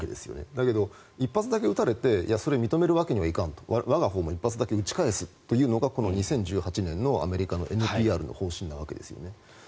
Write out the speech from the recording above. だけど、１発だけ撃たれていやそれを認めるわけにはいかんと我がほうも１発だけ撃ち返すというのが２０１８年のアメリカの方針なわけですよね。